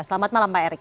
selamat malam pak erick